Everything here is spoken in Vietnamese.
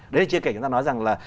đấy là chưa kể chúng ta nói rằng là